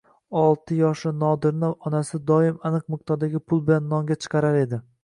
Olti yoshli Nodirni onasi doim aniq miqdordagi pul bilan nonga chiqarar edi.